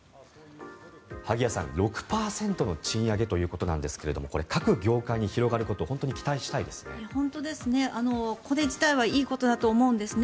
萩谷さん、６％の賃上げということなんですがこれ各業界に広がることを本当に期待したいですね。